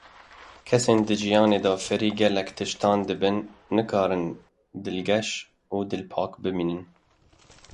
Kesên di jiyanê de fêrî gelek tiştan dibin, nikarin dilgeş û dilpak bimînin.